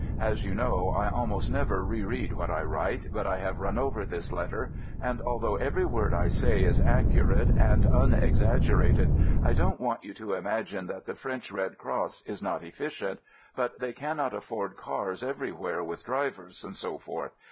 As you know, I almost never re read what I write, but I have run over this letter, and although every word I say 98 AMERICAN AMBULANCE is accurate and unexaggerated, I don't want you to imagine that the French Red Cross is not efficient — but they cannot afford cars everywhere with drivers, etc.